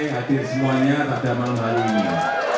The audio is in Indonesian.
hadir semuanya pada malam hari ini